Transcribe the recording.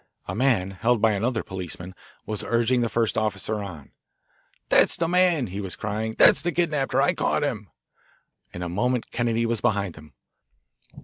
A man, held by another policeman, was urging the first officer on. "That's the man," he was crying. "That's the kidnapper. I caught him." In a moment Kennedy was behind him.